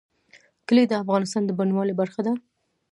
کلي د افغانستان د بڼوالۍ برخه ده.